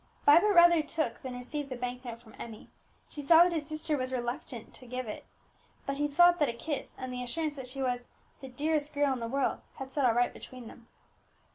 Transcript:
Vibert rather took than received the bank note from Emmie; he saw that his sister was reluctant to give it, but he thought that a kiss, and the assurance that she was "the dearest girl in the world," had set all right between them.